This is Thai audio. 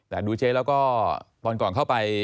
แต่ดูเจ๊แล้วก็ตอนก่อนเข้าไป